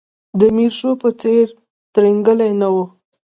د میرشو په څېر ترینګلی نه و.